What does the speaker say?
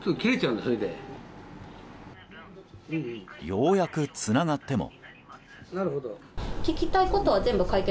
ようやくつながっても。